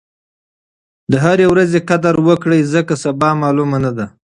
د هرې ورځې قدر وکړئ ځکه سبا معلومه نه ده.